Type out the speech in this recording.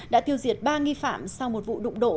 đã tiêu diệt ba nghi phạm sau một vụ đụng độ